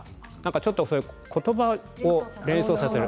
ちょっと言葉を連想させる。